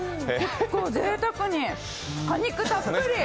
ぜいたくに果肉たっぷり。